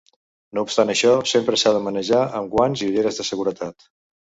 No obstant això, sempre s'ha de manejar amb guants i ulleres de seguretat.